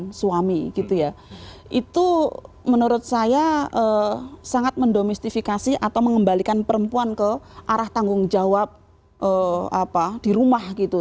pasal dua puluh lima itu menurut saya sangat mendomestifikasi atau mengembalikan perempuan ke arah tanggung jawab di rumah gitu